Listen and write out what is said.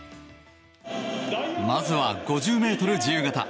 まずは５０ｍ自由形。